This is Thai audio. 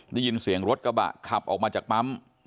ได้ยินเสียงรถกระบะขับออกมาจากปั๊ม